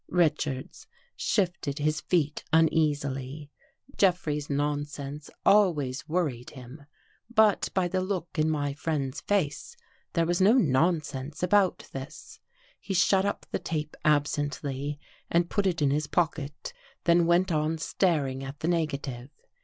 Richards shifted his feet uneasily. Jeffrey's " nonsense " always worried him. But by the look in my friend's face, there was no nonsense about this. He shut up the tape absently and put it in his pocket, then went on staring at the negative.